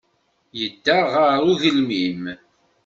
Yedda ɣer ugelmim.